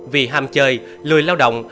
vì ham chơi lười lao động